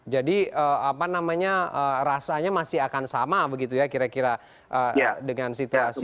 jadi apa namanya rasanya masih akan sama begitu ya kira kira dengan situasi